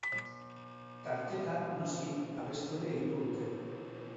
Tarteka, noski, abestu ere egingo dute.